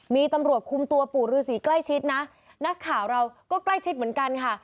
มีตำรวจคุมตัวปู่ฤษีใกล้ชิดนะนักข่าวเราก็ใกล้ชิดเหมือนกันค่ะ